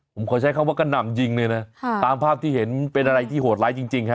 ผมขอใช้คำว่ากระหน่ำยิงเลยนะตามภาพที่เห็นเป็นอะไรที่โหดร้ายจริงฮะ